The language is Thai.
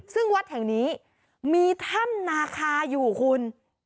ซึ่งวัดแห่งนี้มีถ้ำนาคาอยู่คุณ